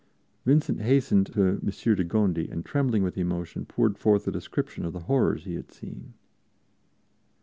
Vincent hastened to M. de Gondi and, trembling with emotion, poured forth a description of the horrors he had seen.